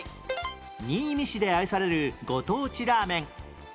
新見市で愛されるご当地ラーメン